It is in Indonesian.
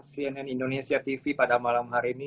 cnn indonesia tv pada malam hari ini